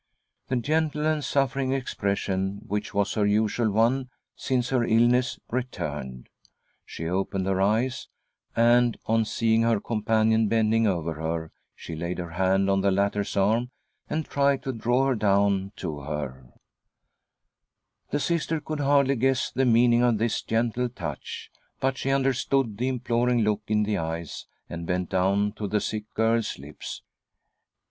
The gentle and suffering expression, which was her usual one since her illness, returned. She opened her eyes, and, on seeing her companion bending over her, she laid her hand on the latter's arm, and tried to draw, her down to her. ■& THE STORM WITHIN. THE SOUL 15 The Sister could hardly guess the meaning of this gentle touch, but she understood the imploring look in the eyes, and bent down to the sick girl's lips.